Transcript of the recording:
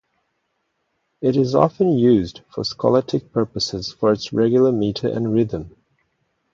It is often used for scholastic purposes for its regular meter and rhythm.